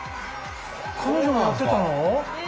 彼女もやってたの⁉え！